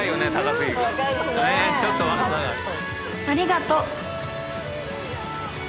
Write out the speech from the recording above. ありがと。